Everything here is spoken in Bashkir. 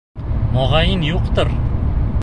Моғайын, юҡтыр.